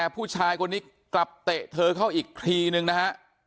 ผู้ชายคนนี้กลับเตะเธอเข้าอีกทีนึงนะฮะ